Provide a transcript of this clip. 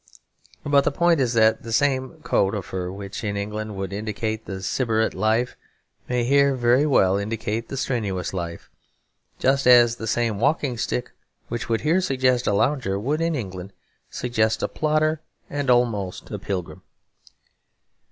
But the point is that the same coat of fur which in England would indicate the sybarite life may here very well indicate the strenuous life; just as the same walking stick which would here suggest a lounger would in England suggest a plodder and almost a pilgrim.